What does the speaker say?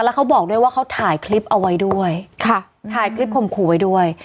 แล้วเขาบอกด้วยว่าเขาถ่ายคลิปเอาไว้ด้วยค่ะถ่ายคลิปข่มขู่ไว้ด้วย